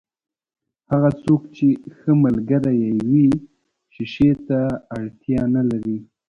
هغه څوک چې ښه ملګری يې وي، شیشې ته اړتیا نلري.